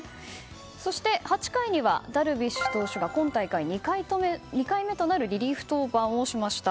そして８回にはダルビッシュ投手が今大会２回目となるリリーフ登板をしました。